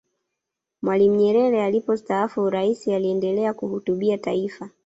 mwalimu nyerere alipostaafu uraisi aliendelea kuhutubia taifa